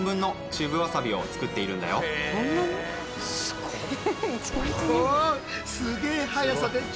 すごい。